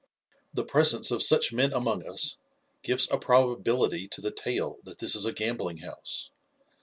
The presence of such men among us gives a probability to the tale that this is a gambling house.